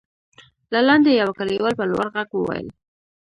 له لاندې يوه کليوال په لوړ غږ وويل: